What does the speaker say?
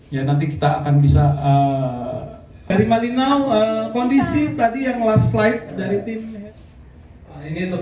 ya nanti kita akan bisa dari malinaw kondisi tadi yang last flight dari tim ini